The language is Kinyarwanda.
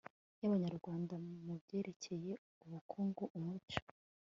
y abanyarwanda mu byerekeye ubukungu umuco